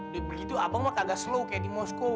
dari begitu abang mah kagak slow kayak di moskow